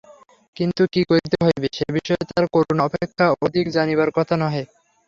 কিন্তু কী করিতে হইবে সে বিষয়ে তাঁর করুণা অপেক্ষা অধিক জানিবার কথা নহে।